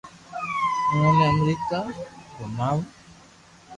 اووہ ني امريڪا گوماوُ